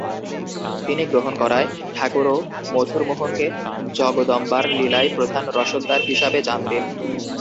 তিনি গ্রহণ করায় ঠাকুরও মথুরমোহনকে জগদম্বার লীলায় প্রধান রসদদার হিসাবে জানতেন।